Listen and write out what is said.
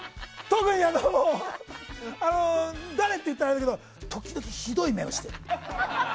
特に、誰って言ったらあれだけど時々、ひどい目をしてる。